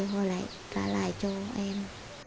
họ lại trả lại cho em